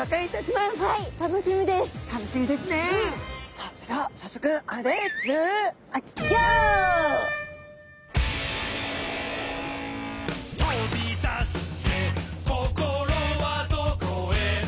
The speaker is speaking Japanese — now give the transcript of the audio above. さあそれでは早速「飛び出すぜ心はどこへ」